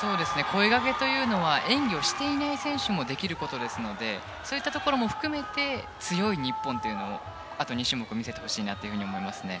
声がけというのは演技をしていない選手もできることですのでそういったところも含めて強い日本というのをあと２種目見せてほしいなと思いますね。